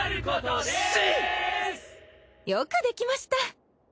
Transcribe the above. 武士よくできました。